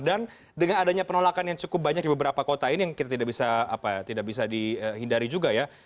dan dengan adanya penolakan yang cukup banyak di beberapa kota ini yang kita tidak bisa dihindari juga ya